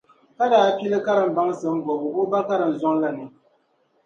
Ka daa pili karim baŋsim bɔbu o ba karimzɔŋ la ni.